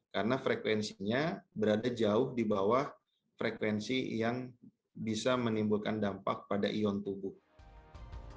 karena frekuensinya berada jauh di bawah frekuensi yang bisa menimbulkan dampak pada ion tubuh